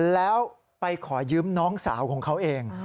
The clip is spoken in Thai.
แล้วไปขอยืมน้องสาวของเขาเอง